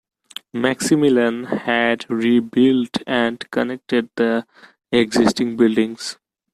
Maximilian had rebuilt and connected the existing buildings.